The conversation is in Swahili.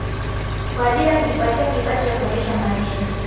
Kwa ajili ya kujipatia kipato cha kuendesha maisha